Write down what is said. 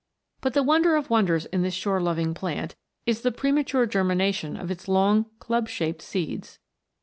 But the wonder of wonders in this shore loving plant, is the premature germination of its long club shaped seeds.